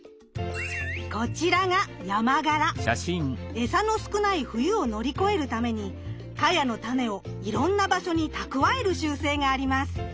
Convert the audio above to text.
エサの少ない冬を乗り越えるためにカヤのタネをいろんな場所に蓄える習性があります。